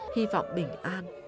hy vọng bình an